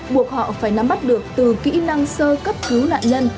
buộc họ phải nắm bắt được từ kỹ năng sơ cấp cứu nạn nhân